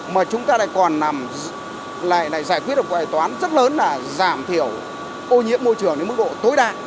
mà chúng ta còn giải quyết được một hệ toán rất lớn là giảm thiểu ô nhiễm môi trường đến mức độ tối đa